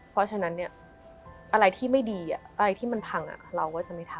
เพราะฉะนั้นเนี่ยอะไรที่ไม่ดีอะไรที่มันพังเราก็จะไม่ทำ